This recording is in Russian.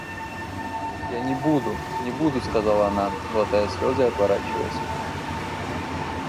Я не буду, не буду, — сказала она, глотая слезы и отворачиваясь.